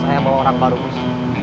saya mau orang baru bos